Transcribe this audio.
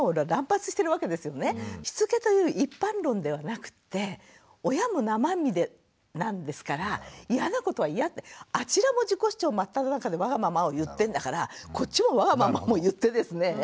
しつけという一般論ではなくって親も生身でなんですからイヤなことはイヤってあちらも自己主張真っただ中でわがままを言ってんだからこっちもわがままを言ってですね